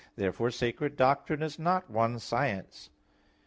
Therefore sacred doctrine is not one science.